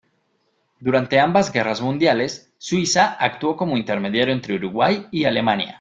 Durante ambas guerras mundiales, Suiza actuó como intermediario entre Uruguay y Alemania.